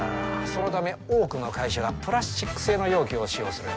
そのため多くの会社がプラスチック製の容器を使用する。